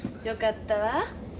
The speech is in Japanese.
よかったわ。